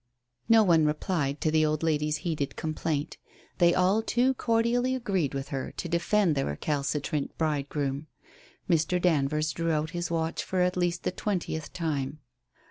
No one replied to the old lady's heated complaint. They all too cordially agreed with her to defend the recalcitrant bridegroom. Mr. Danvers drew out his watch for at least the twentieth time.